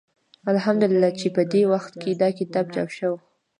الحمد لله چې په دې وخت کې دا کتاب چاپ شو.